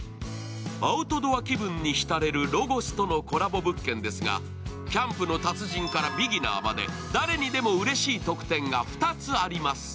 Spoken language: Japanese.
アウトドア気分にひたれるロゴスとのコラボ物件ですが、キャンプの達人からビギナーまで、誰にでもうれしい特典が２つあります。